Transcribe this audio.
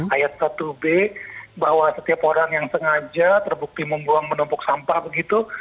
ayat satu b bahwa setiap orang yang sengaja terbukti membuang menumpuk sampah begitu